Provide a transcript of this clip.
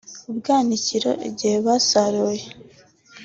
ubwanikiro igihe basaruye